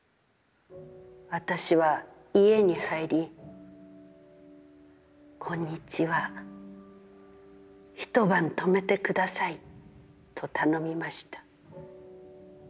私は家に入り、『こんにちは、一晩泊めてください』と頼みました。